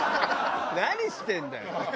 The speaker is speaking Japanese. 何してるんだよ！